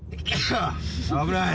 危ない！